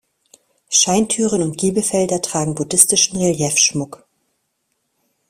Scheintüren und Giebelfelder tragen buddhistischen Reliefschmuck.